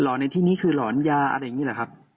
ในที่นี้คือหลอนยาอะไรอย่างนี้เหรอครับ